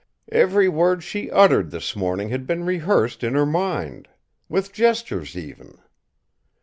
Every word she uttered this morning had been rehearsed in her mind with gestures, even.